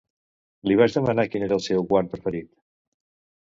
Li vaig demanar quin era el seu guant preferit.